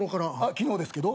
昨日ですけど。